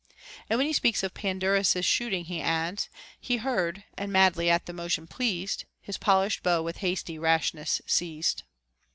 Τ And when he speaks of Pandarus's shooting, he adds, — He heard, and madly at the motion pleased, His polish'd bow with hasty rashness seized.